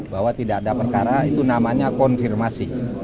bahwa tidak ada perkara itu namanya konfirmasi